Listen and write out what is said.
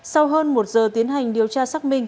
sau hơn một giờ tiến hành điều tra xác minh